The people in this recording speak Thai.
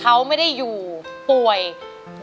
ร้องได้ให้ร้อง